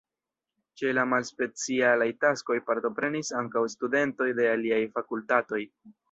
Ĉe la malspecialaj taskoj partoprenis ankaŭ studentoj de aliaj fakultatoj.